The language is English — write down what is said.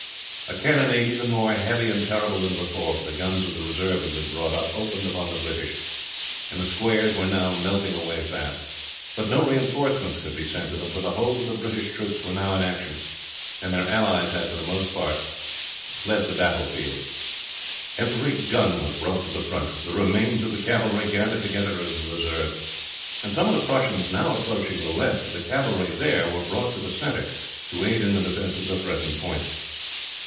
A cannonade even more heavy and terrible than before, for the guns of the reserve had been brought up, opened upon the British, and the squares were now melting away fast. But no reinforcements could be sent to them, for the whole of the British troops were now in action, and their allies had for the most part long before left the field. Every gun was brought to the front, the remains of the cavalry gathered together as a reserve; and some of the Prussians now approaching the left, the cavalry there were brought to the center to aid in the defense of the threatened point.